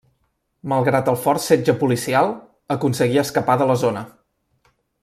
Malgrat el fort setge policial, aconseguí escapar de la zona.